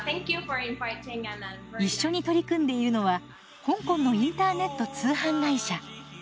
一緒に取り組んでいるのは香港のインターネット通販会社。